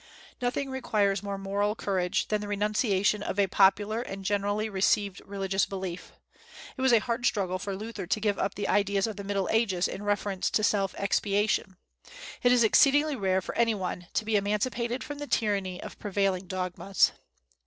Nothing requires more moral courage than the renunciation of a popular and generally received religious belief. It was a hard struggle for Luther to give up the ideas of the Middle Ages in reference to self expiation. It is exceedingly rare for any one to be emancipated from the tyranny of prevailing dogmas.